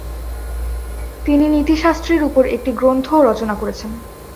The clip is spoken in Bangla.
তিনি নীতিশাস্ত্রের উপর একটি গ্রন্থও রচনা করেছেন।